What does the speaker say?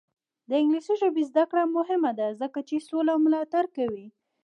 د انګلیسي ژبې زده کړه مهمه ده ځکه چې سوله ملاتړ کوي.